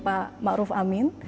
pak ma'ruf amin